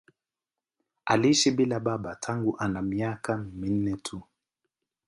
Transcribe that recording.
Aliishi bila ya baba tangu ana miaka minne tu.